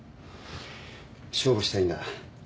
勝負したいんだ。